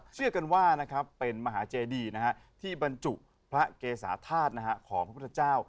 เชื่อกันว่าเป็นมหาเจดีที่บรรจุพระเกสาธาตุของพระพุทธเจ้า